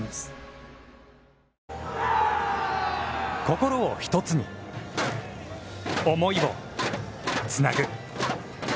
心をひとつに思いをつなぐ。